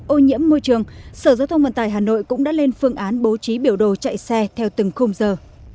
ô nhiễm môi trường sở giao thông vận tải hà nội cũng đã lên phương án bố trí biểu đồ chạy xe theo từng khung giờ